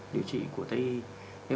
điều trị của tay y